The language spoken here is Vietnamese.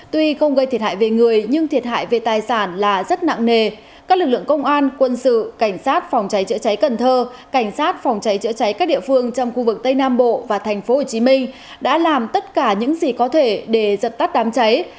tuy không gây thiệt hại về người nhưng thiệt hại về tài sản là rất nặng nề các lực lượng công an quân sự cảnh sát phòng cháy chữa cháy cần thơ cảnh sát phòng cháy chữa cháy các địa phương trong khu vực tây nam bộ và tp hcm đã làm tất cả những gì có thể để dập tắt đám cháy